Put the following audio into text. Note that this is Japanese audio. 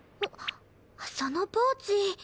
そのポーチ。